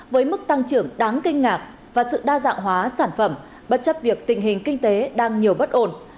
với mức tăng trưởng đáng kinh ngạc và sự đa dạng hóa sản phẩm bất chấp việc tình hình kinh tế đang nhiều bất ổn